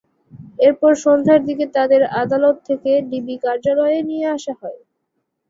এরপর সন্ধ্যার দিকে তাঁদের আদালত থেকে ডিবি কার্যালয়ে নিয়ে আসা হয়।